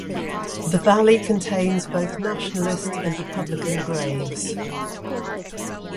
The valley contains both Nationalist and Republican graves.